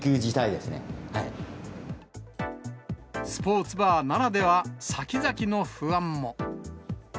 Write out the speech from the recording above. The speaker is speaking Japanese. スポーツバーならでは、先々の不安も。